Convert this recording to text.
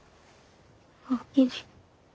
おおきに。